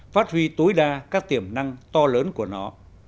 phát huy tối đa các tiềm năng to lớn của nó